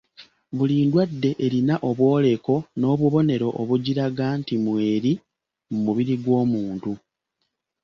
Buli ndwadde erina obwoleko n'obubonero obugiraga nti mweri mu mubiri gw'omuntu.